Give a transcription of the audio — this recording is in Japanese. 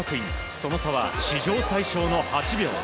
その差は史上最少の８秒。